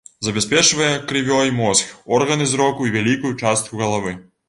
Забяспечвае крывёй мозг, органы зроку і вялікую частку галавы.